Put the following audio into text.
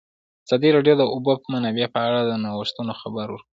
ازادي راډیو د د اوبو منابع په اړه د نوښتونو خبر ورکړی.